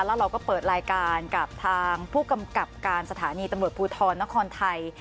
แล้วเราก็เปิดรายการกับทางผู้กำกับการสถานีตำรวจภูทรนครไทย